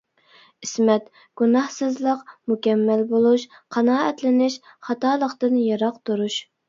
ئىسمەت : گۇناھسىزلىق، مۇكەممەل بولۇش، قانائەتلىنىش، خاتالىقتىن يىراق تۇرۇش.